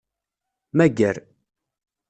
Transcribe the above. Mager.